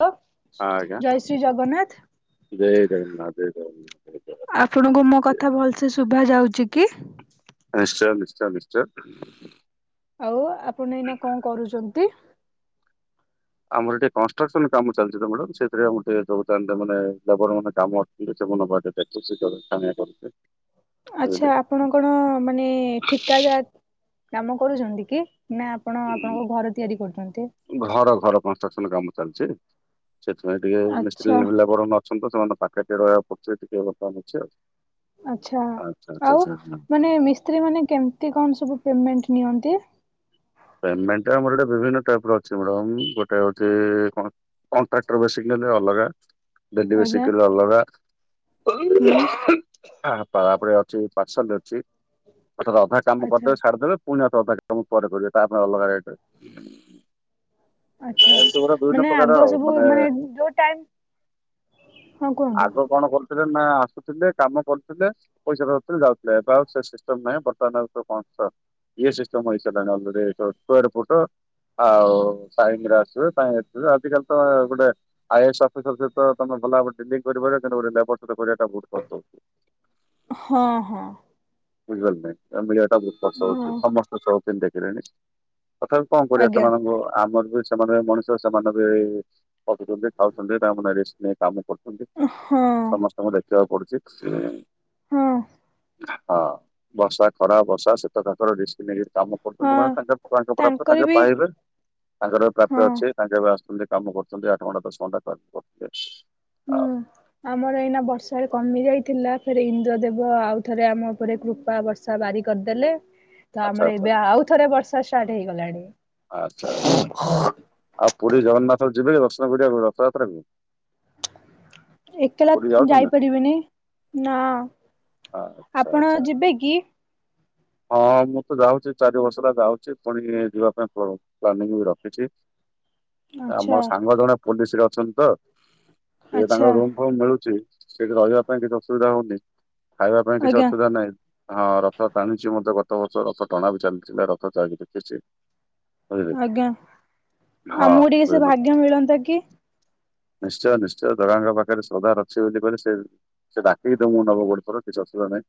Hello ହଁ ଜୟ ଶ୍ରୀ ଜଗନ୍ନାଥ ଆଜ୍ଞାଜୟ ଜଗନ୍ନା ଜୟ ଜଗନ୍ନା ଜୟ ଜଗ ଶୁଣୁଙ୍କୁ ମୋ କଥା ଭଲସେ ଶୁଭା ଯାଉଚି କି? ନିଶ୍ଚୟ ନିଶ୍ଚ ନିଶ୍ଚ। ଆଉ ଆପଣ ଏଇନା କଁ କରୁଚନ୍ତି? ଆମର ଟିକେ କନଷ୍ଟ୍ରକ୍ସନ କାମ ଚାଲିଚି ତ ମଡାମ ସେଇଥିରେ ଆମର ଟିକେ ଯୋଗଦାନ ଦ-ମାନେ ଲେବର ମାନେ କାମ ଅଛି। [unintelligible] ଆଚ୍ଛା ଆପଣ କଣ ମାନେ ଠିକାଦାର କାମ କରୁଛନ୍ତି କି ନା ଆପଣ ଆପଣଙ୍କ ଘର ତିଆରି କରୁଚନ୍ତି। ଘର ଘର କନଷ୍ଟ୍ରକ୍ସନ କାମ ଚାଲିଚି ସେଥିପାଇଁ ଟିକେ ମିସ୍ତ୍ରୀି ଆଚ୍ଛା ଲ୍-ଲେବର ନ ଛନ୍ତି ସେମାନଙ୍କ ପାଖରେ ଟିକେ ରହିଆକୁ ପଡୁଛି ଟିକେ ବର୍ତ୍ତମାନ ଅଛି ଆଉ। ଆଚ୍ଛା ଆଚ୍ଛା ଆଉ ଆଚ୍ଛା ଆଚ୍ଛା। ମାନେ ମିସ୍ତ୍ରୀ ମାନେ କେମ୍ତି କଣ ସବୁ ପେମେଣ୍ଟ ନିଅନ୍ତି? ପେମେଣ୍ଟ ଆମର ଏଡେ ବିଭିନ୍ନ ଟାଇପର ଅଛି ମର ଉଁ ଗୋଟେ ହଉଚି-ଇ କଣ? କଣ୍ଟ୍ରାକ୍ଟର ବେଶିକ ନେଲେ ଅଲଗା। ଡେଡି ଆଜ୍ଞା ବେଶିକିଲେ ଅଲଗା। ହୁଁ ଆ ପା ପରେ ଅଛି ପାର୍ସଲରେ ଅଛି ଥରେ ଅଧା କାମ ଆଚ୍ଛା କରିଦେବେ ଛଡିଦେବେ ପୁଣି ଅଧା କାମ ପରେ କଇବେ ତା ପାଇଁ ଅଲଗା ରେଟ। ଆଚ୍ଛା ଏମିତ୍ ଗୁଡା ଦୁଇନ୍ନ ମାନେ ପ୍ରକାର ଆଗ ଆଉ ସବୁ ମାନେ ମାନେ-ଏ ଯୋଉ ଟାଇମ ହଁ କୁହନ୍ତୁ ଆଗ କଣ କରୁଥିଲେ ନା ଆସୁଥିଲେ କାମ କରୁଥିଲେ। ପଇସା ଧରୁଥିଲେ ଯାଉଥିଲେ ଏବେ ଆଉ ସେ ସିଷ୍ଟମ ନାହିଁ ବର୍ତ୍ତମାନ ଆଉସବ୍ କନଷ୍ଟ୍ରନ୍ ଏ ସିଷ୍ଟମ୍ ହେଇସାଟି ଲାଗି ଆଲେଡ଼ି ସ୍କ୍ୱେର୍ ଫୁଟ ଆ-ଆଉ ଟାଇମରେ ଆସିବେ ଟାଇମରେ ଯିବେ ଆଜିକାଲି ତ-ଅ ଗୋଟେ ଆଇଏସ୍ ଅଫିସର ସହିତ ତମେ ଭଲ ଭାବରେ ଡିଟେକ କରିପାର କିନ୍ତୁ ଗୋଟେ ଲେବର ସଇତ କରିବାଟା ବୋହୁତ କଷ୍ଟ ହୋଉଚି। ହଁ ହଁ। ବୁଝିପାରିଲେ ନାଁଇ। ମିଳିଆଟା ବହୁତ କଷ୍ଟ ହଁ ହଉଚି। ସମସ୍ତେ [unintelligible] ଦେଖିଲେଣି। ତଥା କଣ କରିବା ଆଜ୍ଞା ସେମାନଙ୍କୁ ଆମର ବି ସେମାନେ ମଣିଷ ସେମାନେ ବି ଖଟୁଛନ୍ତି ଖାଉଛନ୍ତି [unintelligible] ରେଷ୍ଟ ନାହିଁ। କାମ କରୁଛନ୍ତି, ହଁ ସମସ୍ତଙ୍କୁ ଦେଖିବାକୁ ପଡୁଚି। ହୁଁ। ହଁ ବର୍ଷା, ଖରା, ବର୍ଷା, ଶୀତ, କାକର ଡିଷ୍ଟିକ୍ ନେଇକି କାମ ହଁ କରୁଚନ୍ତି ମାନେ ତାଙ୍କର୍ ତାଙ୍କ ପ୍ରାପ୍ୟ ତାଙ୍କର ତାଙ୍କେ ବି ପାଇବେ, ତାଙ୍କର ପ୍ରାପ୍ୟ ହଁ ଅଛି। ସାଙ୍ଗରେ ବା ଆସୁଥିଲେ କାମ କରୁଛନ୍ତି ଆଠ ଘଣ୍ଟା ଦଶ ଘଣ୍ଟା। ହୁଁ [unintelligible] ଆମର ଏଇନା ବର୍ଷାରେ କମି ଯାଇଥିଲା। ଫେରେ ଇନ୍ଦ୍ର ଦେବ ଆଉ ଥରେ ଆମ ଉପରେ କୃପା ବର୍ ର୍ଷା ବାରି କରିଦେଲେ। ତ ଆଚ୍ଛା ଆମର ଆଚ୍ଛା ଏବେ ଆଉ ଥରେ ବର୍ଷା ଷ୍ଟାର୍ଟ ହେଇଗଲାଣି। ଆଚ୍ଛା ଆଚ୍ଛା। ଆଉ ପୁରୀ ଜଗନ୍ନାଥ ଯିବେ କି ଦର୍ଶନ କରିବାକୁ ରଥଯାତ୍ରା କୁ? ଏକେଲା ପୁରୀ ଯାଉଛନ୍ତି ଯାଇପାରିବିନି ନାଁ। ଆଚ୍ଛା ଆପଣ ଆଚ୍ଛା ଯିବେ କି? ହଁ ମୁଁ ତ ଯାଉଚି ଚାରି ବର୍ଷ ହେଲା ଯାଉଚି। ପୁଣି ଯିବା ପାଇଁ ପ୍ଲାନିଙ୍ଗ ବି ରଖିଚି। ଏ ଆମ ଆଚ୍ଛା ସାଙ୍ଗ ଜଣେ ପୋଲିସରେ ଅଛନ୍ତି ତ ସେ ତାଙ୍କ ଆଚ୍ଛା ରୁମ୍ ରୁମ୍ ମିଳୁଚି। ସେଠି ରହିବା ପାଇଁ କିଛି ଅସୁବିଧା ହଉନି, ଖାଇବା ପାଇଁ କିଛି ଆଜ୍ଞା ଅସୁବିଧା ନାହିଁ। ହଁ ରଥ ଟାଣିଚି ମୁଁ ତ ଗତ ବର୍ଷ ରଥ ଟଣା ବି ଚାଲିଥିଲା ରଥ ଯାଇକି ଦେଖିଚି। [unintelligible] ଆଜ୍ଞା। ହଁ। ଆମକୁ ଟିକେ ସେ [unintelligible] ଭାଗ୍ୟ ମିଳନ୍ତା କି? ନିଶ୍ଚୟ ନିଶ୍ଚୟ ଜଗାଙ୍କ ପାଖରେ ଶ୍ରଦ୍ଧା ଅଛି ବୋଲି କହିଲେ ସେ ସେ ଡାକିକି ତମୁକୁ ନବ ଗୋଟ୍ କର କିଛି ଅସୁବିଧା ନାଇଁ।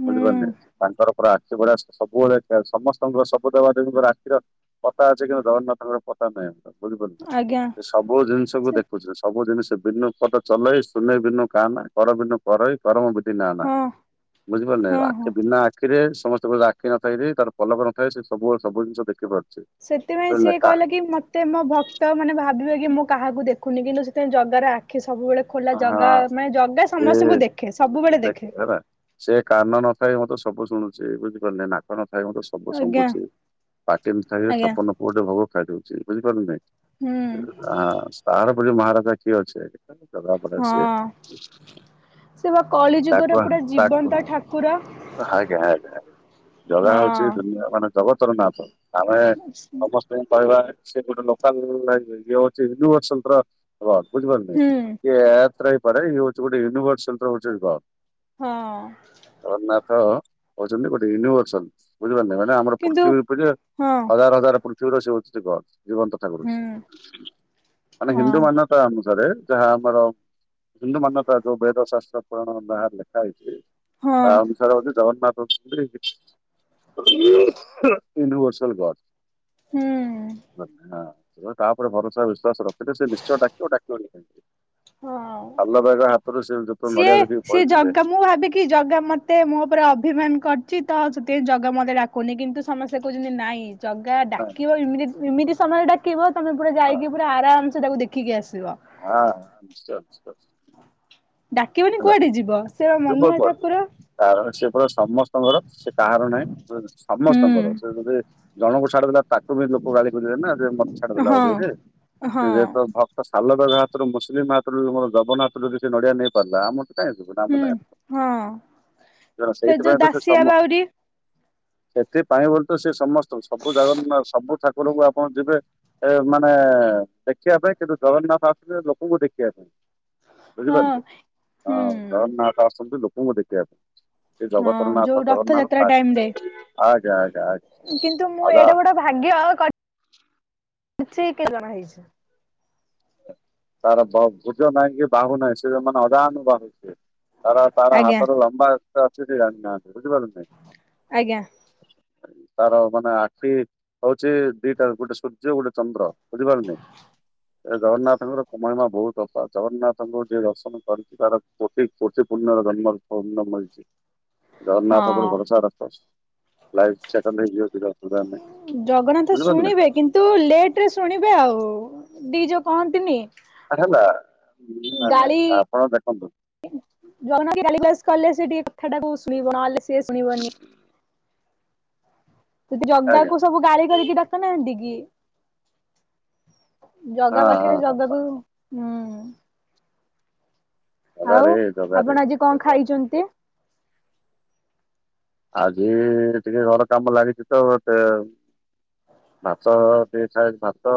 ହୁଁ ବୁଝିପାରିଲେ? ତାଙ୍କର ପୁରା ସେଭଳିଆ ସବୁବେଳେ ସମସ୍ତଙ୍କର ସବୁ ଦେବା ଦେବୀଙ୍କ ଆଶୀର୍ବାଦ ପତା ଅଛି କିନ୍ତୁ ଜଗନ୍ନାଥଙ୍କର ପତା ନାହିଁ, ବୁଝିପାରିଲେ। ଆଜ୍ଞା ସବୁ ଜିନିଷକୁ ସେ ଦେଖୁଚି। ସବୁ ଜିନିଷ ବିନୁ ପଦ ଚଲେଇ ଶୂନେଇ ବିନୁ କା ନା କର ବିନୁ କରଇ କରମ ବିନ୍ ବିନାନା। ହଁ ବୁଝିପାରିଲେ ହଁ ହଁ। ଆଖି ବିନା ଆ ଆଖିରେ ସମସ୍ତେ କହିଲେ ଆଖି ନ ଥାଇ ବି ତାର ପଲକ ନ ଥାଏ ସେ ସବୁବେଳେ ସବୁ ଜିନିଷ ଦେଖି ପାରୁଚି। ସେଥିପାଇଁ ସିଏ କହିଲା କି ମ ମତେ ମୋ ଭକ୍ତ ମାନେ ଭାବିବେ କି ମୁଁ କାହାକୁ ଦେଖୁନି। କିନ୍ତୁ ସେଥିପାଇଁ ଜାଗାର ଆଖି ସବୁବେଳେ ଖୋଲା ହଁ ଜଗା ମାନେ ଜଗା ସେ ସମସ୍ତଙ୍କୁ ଦେଖେ ସବୁବେଳେ ଦେଖେ। ସେ କାନ ନଥାଇ ମଧ୍ୟ ସବୁ ଶୁଣୁଚି। ବୁଝିପାରିଲେ, ନାକ ନଥାଇ ମଧ୍ୟ ସେ ସବୁ ଆଜ୍ଞା ଶୁଙ୍ଗୁଚି। ପାଟି ନଥାଇ କି ବି ଆଜ୍ଞା ଛପନପଉଟି ଭୋଗ ଖାଇଦଉଚି। ବୁଝିପାରିଲେ କି ନାଇଁ? ହୁଁ [unintelligible] ମହାରାଜା କିଏ ଅଛି ଏଠି। ଜଗା ପରା ସିଏ। ହଁ ସେ ବା କଳି ତାକୁ ଯୁଗର ଆଣୁ ପୁରା ତାକୁ ଜୀବନ୍ତ ଠାକୁର। ଆଜ୍ଞା ଆଜ୍ଞା ଆଜ୍ଞା। ଜଗା ହଉଚି ହଁ ଦୁନିଆ ମାନେ ଜଗତର ନାଥ। ଆମେ ସମସ୍ତ କହିବା ସେ ଗୋଟେ ଲୋକାଲ ଇଏ ହଉଚି [unintelligible] ବୁଝିପାରିଲୁ? ଉଁ। [unintelligible] ହେଇପାରେ। ଇଏ ହଉଚି ଗୋଟେ ୟୁନିଭର୍ସ [unintelligible] ଗଡ୍। ହଁ ଜଗନ୍ନାଥ୍ ତ ହଉଚନ୍ତି ଗୋଟେ ୟୁନିଭର୍ସଲା। ବୁଝିପାରିଲେ? ମାନେ ଆମର କିନ୍ତୁ ପୃଥିବୀ ଉପରେ ହଁ ହଜାର ହଜାର ପୃଥିବୀର ସେ ହଉଛନ୍ତି ଗଡ୍। ଜୀବନ୍ତ ଠାକୁର ହୁଁ ସିଏ। ମାନେ ହଁ ହିନ୍ଦୁ ମାନ୍ୟତା ଅନୁସାରେ ଯାହା ଆମର ହିନ୍ଦୁ ମାନ୍ୟତା ଯୋଉ ବେଦ ଶାସ୍ତ୍ର ପୁରାଣ ଯାହା ଲେଖା ହେଇଚି ହଁ ତା ଅନୁସାରେ ହଉଚି ଜଗନ୍ନାଥ ହଉଚନ୍ତି [inaudible] ୟୁନିଭର୍ସଲ ଗଡ୍। ହୁଁ। ହଁ ତାଉପରେ ଭରସା ବିଶ୍ଵାସ ରଖିଲେ ସେ ନିଶ୍ଚୟ ଡାକିବ ଡାକିବନି କାହିଁକି। ହଁ ସାଲ ଭାଇର ହାତରୁ ସେ ଯେତେବେଳେ ନଡିଆ ସିଏ- ଧରିକି ସିଏ ପଳେଇଥିଲେ ଜଗା ମୁଁ ଭାବେ କି କି ଜଗା ମତେ ମୋ ଉପରେ ଅଭିମାନ କରିଚି ତ ସେଥିପାଇଁ ଜଗା ମତେ ଡାକୁନି କିନ୍ତୁ ସମସ୍ତେ କହୁଚନ୍ତି ନାଇଁ ଜଗା ଡାକିବ ଏମିତି- ଏମିତି ସମୟରେ ଡାକିବ ତମେ ପୁରା ହଁ ଯାଇକି ପୁରା ଆରାମ୍ ସେ ତାକୁ ଦେଖ୍ ଦେଖିକି ଆସିବ। ହଁ ନିଶ୍ଚୟ ନିଶ୍ଚୟ। ଡାକିବନି କୁଆଡେ ଯିବ। ସେ ବା ଯିବ ମନୁଆ କୁଆଡୁ ଠାକୁର। କାରଣ ସିଏ ପରା ସମସ୍ତଙ୍କର ସେ ତାହାର ନାଇଁ ହୁଁ ସମସ୍ତଙ୍କର ସେ ଯଦି ଜଣଙ୍କୁ ଛାଡି ଦେଲା ତୁମେ ଲୋକ ଗାଳି କରିବେ ନା ଯେ ମତେ ଛାଡି ଦେଲା ହଁ ବୋଲି ଯେ ହଁ [unintelligible] ଭ ସାଲବେଗ ହାତରୁ ମୁସଲିମ୍ ହାତରୁ ଜଗନ୍ନାଥ ଯଦି ସେ ନଡିଆ ନେଇ ପାରିଲା ଆମଠୁ କାହିଁ [unintelligible] ହୁଁ ହଁ। ଫେର ଯୋଉ ସେଇଥିପାଇଁ ତ ସେ ଦାସିଆ ସମସ୍ତ ବାଉରି ସେଥିପାଇଁ ବୋଲି ତ ସିଏ ସମସ୍ତଙ୍କୁ ସବୁ ଜଗନ୍ନାଥ ସବୁ ଠାକୁରଙ୍କୁ ଆପଣ ଯିବେ ଏ-ମାନେ ଦେଖିବା ପାଇଁ କିନ୍ତୁ ଜଗନ୍ନାଥ ଆସିବେ ଲୋକଙ୍କୁ ଦେଖିବା ପାଇଁ। ହଁ ବୁଝିପାରୁଚୁ ହଁ ହୁଁ ଜଗନ୍ନାଥ ଆସଚନ୍ତି ଲୋକଙ୍କୁ ଦେଖିବା ପାଇଁ। ଏ ହଁ ଯୋଉ ଜଗତରନାଥ ଜଗନ୍ନାଥ ରଥଯାତ୍ରା ଟାଇମ ରେ ତା-ଆଜ୍ଞା- ଆଜ୍ଞା- ଆଜ୍ଞା। କିନ୍ତୁ ମୁଁ ଅଧା ଏଡେ ବଡ ଭାଗ୍ୟ କରିଚି [unintelligible] ଜଣା ହେଇଚି। ତାର ଫ-ଭୁଜ ନାହିଁ କି ବାହୁ ନାହିଁ ସେ ମାନେ ଅଜାନୁ ବାହୁ ସିଏ। ତାର ତାର ଆଜ୍ଞା ହାତରୁ ଲମ୍ବା ଏତେ ଅଛି ଯେ କେହି ଜାଣିନାହାନ୍ତି ବୁଝିପାରୁଚନ୍ତି। ଆଜ୍ଞା। [inaudible] ତାର ମାନେ ଆଖି ହଉଚି ଦିଟା ଗୋଟେ ସୂର୍ଯ୍ୟ ଗୋଟେ ଚନ୍ଦ୍ର ବୁଝିପାରିନି। ଏ ଜଗନ୍ନାଥଙ୍କର ମହିମା ବହୁତ [unintelligible] ଜଗନ୍ନାଥଙ୍କୁ ଯିଏ ଦର୍ଶନ କରିଚି ତାର କୋଟି କୋଟି ପୁର୍ଣ୍ୟର ଜନ୍ମ ପୂର୍ଣ୍ଣ ମିଳିଚି ଜଗନ୍ନାଥ ଉପରେ ହଁ ଭରସା ରଖ ଲାଇଫ୍ ସେଟେଲ୍ ହେଇଯିବ ପୁରା। ଜଗନ୍ନାଥ ଶୁଣିବେ କିନ୍ତ୍ ତୁ ଲେଟ୍ ରେ ଶୁଣିବେ ଆଉ ଦି ଯଉ କହନ୍ତିନି ଆ-ହେଲା ନା -ନା ଆପଣ ଦେଖନ୍ତୁ ଜଗନ୍ନାଥଙ୍କୁ ଗାଳି ଗୁଲାସ୍ କଲେ ସେ ଟିକେ କଥାଟାକୁ ଶୁଣିବ ନହଲେ ସିଏ ଶୁଣିବନି। ଆଜ୍ଞା ଜଗାକୁ ସବୁ ଗାଳି କରିକି ଡାକୁ ନାହାନ୍ତି କି। ହଁ ଜଗା ହଁ ପାଖରେ ହଁ ହଁ ଜଗାକୁ ହୁଁ- ଜଗାରେ ଆଉ ଜଗାରେ ଆପଣ ଆଜି କଣ ଜଗାରେ ଖାଇଚନ୍ତି? ଆଜି ଏଇ ଟିକେ ଘର କାମ ଲାଗିଚି ତ ସେ ଭାତ ଟିକେ ଖାଇ ଭାତ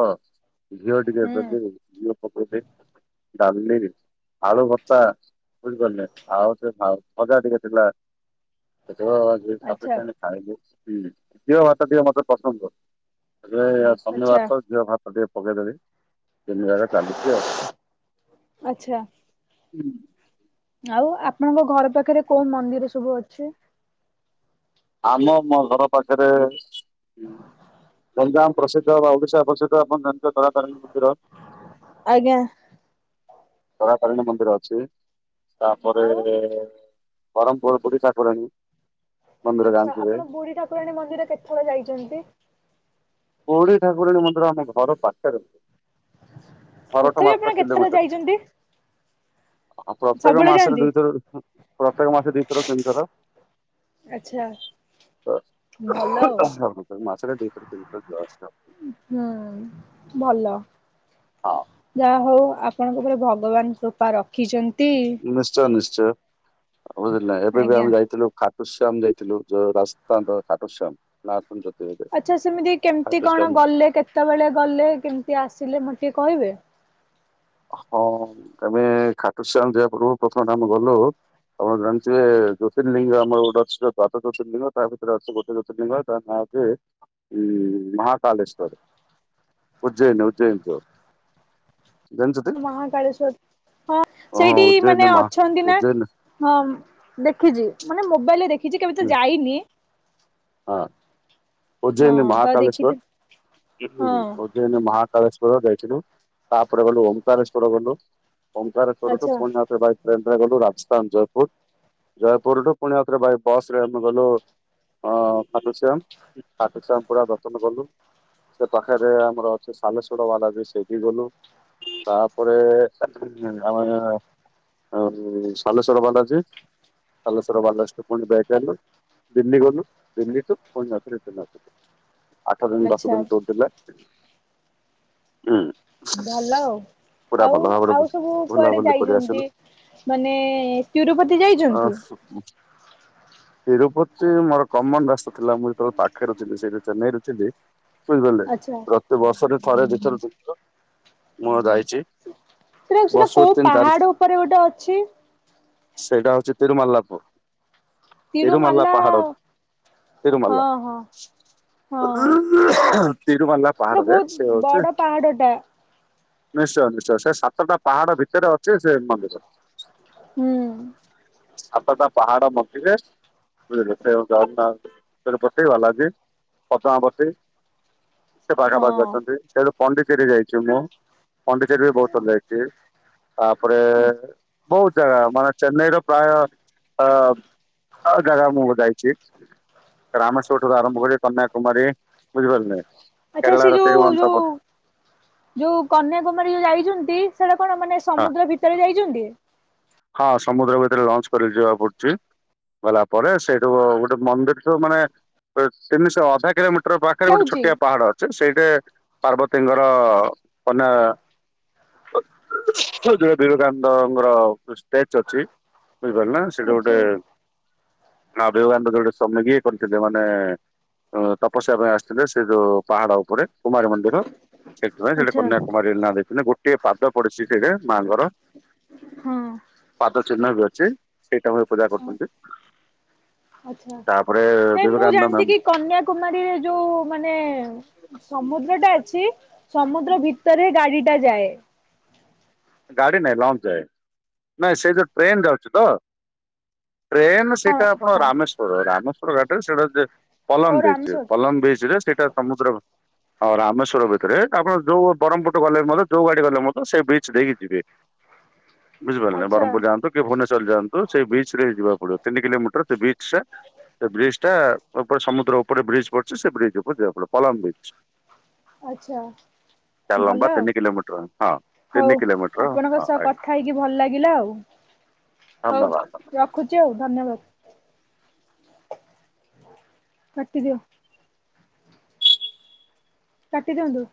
ଘିଅ ଟିକେ ହୁଁ ପକେଇକି ଘିଅ ପକେଇ ଦେଇ ଡାଲି ବି ଆଳୁ ଭର୍ତ୍ତା ବୁଝିପାରିଲେ ଆଉ ସେ ଆଉ ଭଜା ଟିକେ ଥିଲା [unintelligible] ଖାଇବ ହୁଁ ଆଚ୍ଛା କ୍ଷୀର ଭାତ ଟିକେ ମତେ ପସନ୍ଦ୍ [unintelligible] ଏ ଆଚ୍ଛା ଶନିବାର ତ ଘିଅ ଭାତ ଟିକେ ପକେଇଦେଲି। ଆଚ୍ଛା। [unintelligible] ଆଉ ଆପଣଙ୍କ ଘର ପାଖେରେ କଉ ମନ୍ଦିର ସବୁ ଅଛି? ଆମ ମୋ ଘର ପାଖେରେ ଗଞ୍ଜାମ ପ୍ରସିଦ୍ଧ ବା ଓଡିଶା ପ୍ରସିଦ୍ଧ ଆପଣ ଜାଣିଥିବେ ତାରା ତାରିଣୀ ମନ୍ଦିର। ଆଜ୍ଞା। ତାରା ତାରିଣୀ ମନ୍ଦିର ଅଛି ତାପରେ ଆଉ ବ୍ରହ୍ମପୁର ବୁଢି ଠିକୁରାଣୀ। ଆଚ୍ଛା ଆପଣ ବୁଢୀ ଠାକୁରାଣୀ ମନ୍ଦିର କେତେଥର ଯାଇଛନ୍ତି? ବୁଢୀ ଠାକୁରାଣୀ ମନ୍ଦିର ଆମ ଘର ପାଖରେ ଅଛି। ତଥା ବି ଆପଣ କେତେଥର କିଲୋମିଟର ଯାଇଛନ୍ତି? ପ୍ରତ୍ୟେକ ସବୁବେଳେ ମାସରେ ଯାଆନ୍ତି? ଦୁଇଥର ପ୍ରତ୍ୟେକ ମାସରେ ଦୁଇଥର ତିନିଥର। ଆଚ୍ଛା ଭଲ ଆଉ। ମାସ ରେ ଦୁଇ ଥର ତିନି ଥର ଯାଆନ୍ତି ଆଉ। ହୁଁ ଭଲ। ହଁ। ଯାହା ହଉ ଆପଣଙ୍କ ଉପରେ ଭଗବାନ କୃପା ରଖିଛନ୍ତି। ନିଶ୍ଚୟ ନିଶ୍ଚୟ ବୁଝିଲେ ନା ଏବେ ବି ଆଜ୍ଞା। ଆମେ ଯାଇଥିଲୁ ଖାଟୁସ୍ୟାମ ଯାଇଥିଲୁ ଯୋଉ ରାସ୍ତାନ୍ ର ଖାଟୁସ୍ୟାମ। ନାଁ ଶୁଣିଛନ୍ତି? ବୋଧେ ଆଚ୍ଛା ସେମିତି କେମିତି କଣ ଖାଟୁଶ୍ୟାମ ଗଲେ କେତେବେଳେ ଗଲେ କେମିତି ଆସିଲେ ମତେ ଟିକେ କହିବେ? ହଁ ଆମେ ଖାଟୁସ୍ୟାମ ଯିବା ପୂର୍ବରୁ ପ୍ରଥମେ ଟା ଆମେ ଗଲୁ ଆମର ଜାଣିଥବେ ଜ୍ୟୋତିର୍ଲିଙ୍ଗ ଆମର ଗୋଟେ ଅଛି ଦଦାତ ଜ୍ୟୋତିର୍ଲିଙ୍ଗ ତା ଭିତରେ ଅଛି ଗୋଟେ ଜ୍ୟୋତିର୍ଲିଙ୍ଗ ତା ନାଁ ଯେ ଉଁ ମହାକାଲେଶ୍ଵର ଉଜ୍ଜୟନ୍ ଉଜ୍ଜୟନ ଯୋ ମହାକାଳେଶ୍ଵର ହଁ ହଁ ସେଇଠି ଉଜ୍ଜୟିନୀ ମାନେ ମହା ଅଛନ୍ତି ନା? ଉଜ୍ଜୟିନୀ ହଁ ଦେଖିଛି ମାନେ ମୋବାଇଲରେ ଦେଖିଛି କେବେ ତ ହୁଁ ଯାଇନି ହଁ ହଁ ଉଜ୍ଜୟନି ତ ମହାକାଳେଶ୍ଵର ଦେଖିଛି ହୁଁ ହୁଁ ହଁ ଉ ଉଜ୍ଜୟିନୀ ମହାକାଳେଶ୍ୱର ଯାଇଥିଲୁ ତାପରେ ଗଲୁ ଓମ୍କାରେଶ୍ଵର ଗଲୁ। ଓଙ୍କାରେଶ୍ଵରଠୁ ଆଚ୍ଛା ପୁଣି ଆଉଥରେ ବାଏ ଟ୍ରେନ ରେ ଗଲୁ ରାଜସ୍ଥାନ ଜୟପୁର। ଜୟପୁର ଠୁ ପୁଣି ଆଉଥରେ ବାଏ ବସ୍ ରେ ଆମେ ଗଲୁ ଅ ଖାଟୁସ୍ୟାମ। ଖାଟୁସ୍ୟାମ ପରେ ଆଉ ଦର୍ଶନ କଲୁ। ସେ ପାଖରେ ଆମର ଅଛି ସାଲେଶ୍ୱର ବାଲା ଜି ସେଇଠି ଗଲୁ। ତାପରେ ହେ‌ଁ ଆମର ଆଉ ସାଲେଶ୍ଵର ବାଲାଜୀ ସଲେଶ୍ୱର ବାଲାଜୀ ଠୁ ପୁଣି ବେକ୍ ଗଲୁ ଦିଲ୍ଲୀ ଗଲୁ ଦିଲ୍ଲୀ ଠୁ ପୁଣି ଯାଜ [unintelligible] ଆଠ ଦିନି ଦଶ ଆଚ୍ଛା। ଦିନ ଟୁର୍ ଥିଲା ହୁଁ। ଭଲ ଆଉ ପୁରା ଆଉ ଭଲ ଭାବରେ ଆଉ ବୁଝ ସବୁ କୁଆଡେ ବୁଲାବୁଲି କରି ଆସିଲୁ ଯାଇଛନ୍ତି? ମାନେ ତିରୁପତି ଆ ଯାଇଛନ୍ତି? ତିରୁପତି ମୋର କମନ୍ ରାସ୍ତା ଥିଲା ମୁଁ ଯେତେବେଳେ ପାଖରେ ଥିଲି ସେଇ ଯଉ ଚେନ୍ନାଇରୁ ଥିଲି ବୁଝିପାରିଲେ ଆଚ୍ଛା ପ୍ର ତୁ ବର୍ଷ ରେ ଥରେ ଦୁଇଥର ତିନିଥର ମୁଁ ଯାଇଛି। ସେଟ ସେଟା ବର୍ଷକୁ କୋଉ ତିନି ଚାରି ପାହାଡ ଉପରେ ଗୋଟେ ଅଛି? ସେଇଟା ହଉଛି ତିରୁମାଲ୍ଲା ପୁ ତିରୁମାଲ୍ଲା ତିରୁମାଲା ପାହାଡ ହଁ ତିରୁମାଲା। ହଁ ହଁ ତିରୁମାଲା ସେଟା ପାହାଡରେ ବହୁତ ସେ ବଡ ହଉଛି ପାହାଡଟା। ନିଶ୍ଚୟ ନିଶ୍ଚୟ ସେ ସାତଟା ପାହାଡ ଭିତରେ ଅଛି ସେ ମନ୍ଦିର। ହୁଁ। ସାତଟା ପହାଡ଼ ମଝିରେ ସେ [unintelligible] ତୁରୁପ ବାଲାଜି ପଦ୍ମାବତୀ ସେ ପାଖାପାଖି ହଁ ଅଛନ୍ତି ସେଠୁ ପଣ୍ଡିଚେରୀ ଯାଇଛି ମୁଁ ପଣ୍ଡିଚେରି ବି ବହୁତ ଥର ଯାଇଛି ତାପରେ ବହୁତ ଜାଗା ମାନେ ଚେନ୍ନାଇର ପ୍ରାୟ ଆ ଜାଗା ମୁଁ ଯାଇଛି [inaudible] ରାମେଶ୍ୱରଠାରୁ ଆରମ୍ଭ କରି କନ୍ୟାକୁମାରୀ ବୁଝିପାରିଲେ। ଆଚ୍ଛା ସେ କେରଳାର ଯୋଉ ଯୋଉ ତିରୁବନନ୍ତପୁର ଯୋଉ କନ୍ୟାକୁମାରୀ ଯୋଉ ଯାଇଛନ୍ତି ସେଟା କଣ ମାନେ ହଁ ସମୁଦ୍ର ଭିତରେ ଯାଇଛନ୍ତି। ହଁ ସମୁଦ୍ର ଭିତରେ ଲଞ୍ଚ କରିକି ଯିବାକୁ ପଡୁଚି। ଗଲା ପରେ ସେଇଠୁ ଗୋଟେ ମନ୍ଦିର ଥିବ ମାନେ ତିନିଶହ ଅଧା କିଲୋମିଟର ପା ପାଖରେ ଗୋଟେ ଯାଉଛି ଛୋଟିଆ ପାହାଡ ଅଛି ସେଇଟି ପାର୍ବତୀଙ୍କର ଅନା [unintelligible] ବିବେକାନନ୍ଦଙ୍କର କୃଷ ବେଚ ଅଛି ବୁଝିପାରିଲେ ନା ସେଟି ଗୋଟେ ଆଚ୍ଛା [unintelligible] କରିଥିଲେ ମାନେ ତପସ୍ୟା ପାଇଁ ଆସିଥିଲେ ସେ ଯୋଉ ପାହାଡ ଉପରେ କୁମାରୀ ମନ୍ଦିର ସେଇଥିପାଇ ସେଠି ଆଚ୍ଛା କନ୍ୟାକୁମାରୀ ନାଁ ଦେଇଥିଲେ ଗୋଟିଏ ପାଦ ପଡିଛି ସେଠୀ ମାଙ୍କର। ହଁ। ପାଦ ଚିହ୍ନ ବି ଅଛି। ସେଇ ଟାଇମ ରେ ପୂଜା କରୁଛନ୍ତି ଆଚ୍ଛା। ତାପରେ ନାଇଁ ମୁଁ ବିବେକାନନ୍ଦ ଜାଣିଛି ମମ୍ କି କନ୍ୟାକୁମାରୀରେ ଯୋଉ ମାନେ ସମୁଦ୍ର ଟା ଅଛି ସମୁଦ୍ର ଭିତରେ ଗାଡ଼ିଟା ଯାଏ। ଗାଡି ନାଇଁ ଲଞ୍ଚ ଯାଏ, ନାଇ ସେ ଯୋଉ ଟ୍ରେନ ଯାଉଛି ତ ଟ୍ରେନ ହଁ ସେଇଟା ଆପଣ ରାମେଶ୍ଵର ରାମେଶ୍ଵର ଘାଟରେ ସେଇଟା ଯେ ଓ ପଲମ ବିଚ, ରାମେଶ୍ୱର ପଲମ ବିଚ ରେ ସେଇଟା ସମୁଦ୍ର ହ ରାମେଶ୍ଵର ଭିତରେ ଆପଣ ଯୋଉ ବ୍ରହ୍ମପୁରଠୁ ଗଲେ ମଧ୍ୟ ଯୋଉ ଗାଡି ଗଲେ ମଧ୍ଯ ସେଇ ବ୍ରିଜ୍ ଦେଇକି ଯିବେ, ବୁଝିପାରିଲେନା ଆଚ୍ଛା ବ୍ରହ୍ମପୁର ଯାଆନ୍ତୁ। କି ଭୁବନେଶ୍ୱର ଯାଆନ୍ତୁ ସେଇ ବିଚ ରେ ଯିବାକୁ ପଡିବ ତିନି କିଲୋମିଟର ସେ ବିଚ ଟା। ସେ ବ୍ରିଜ ଟା ଉପରେ ସମୁଦ୍ର ଉପରେ ବ୍ରିଜ୍ ପଡଛି ସେ ବ୍ରିଜ ଉପରେ ଯିବାକୁ ପଡିବ ପଲମ ବ୍ରିଜ୍। ଆଚ୍ଛା ତାର ଭଲ ଲମ୍ବା ଆଉ। ତିନି କିିଲୋମିଟର ହଁ ହଉ ତିନି କିିଲୋମିଟ ଆପଣଙ୍କ ସହ କଥା ହେଇକି ଭଲ ଲାଗିଲା ଆଉ, ହଉ ଧନ୍ୟବାଦ। ରଖୁଛି ଆଉ ଧନ୍ୟବାଦ। କାଟି ଦିଅ। କାଟି ଦିଅନ୍ତୁ।